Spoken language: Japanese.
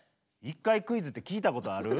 １回クイズって聞いたことある？